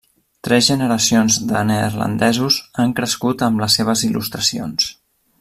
Tres generacions de neerlandesos han crescut amb les seves il·lustracions.